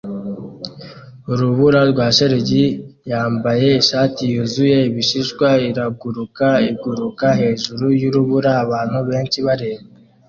Urubura rwa shelegi yambaye ishati yuzuye ibishishwa iraguruka iguruka hejuru yurubura abantu benshi bareba